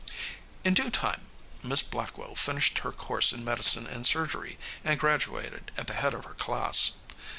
" In due time Miss Blackwell finished her course in medicine and surgery, and graduated at the head of her class.